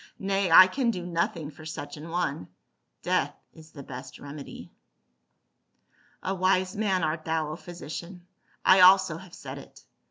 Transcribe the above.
" Nay, I can do nothing for such an one ; death is the best remedy." "A wise man, art thou, O physician, I also have said it.